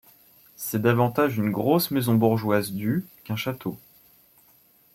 C'est davantage une grosse maison bourgeoise du qu'un château.